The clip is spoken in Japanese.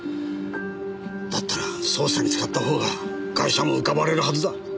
だったら捜査に使ったほうがガイシャも浮かばれるはずだ。